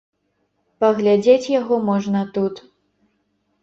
Паглядзець яго можна тут.